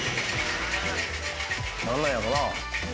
なんなんやろな？